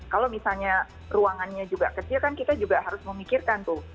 kalau misalnya ruangannya juga kecil kan kita juga harus memikirkan tuh